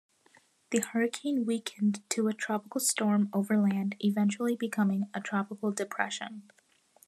The hurricane weakened to a tropical storm overland, eventually becoming a tropical depression.